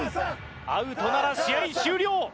アウトなら試合終了。